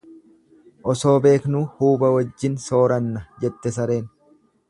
Osoo beeknuu huuba wajjin sooranna jette sareen.